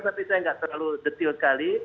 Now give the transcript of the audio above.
tapi saya gak terlalu detail sekali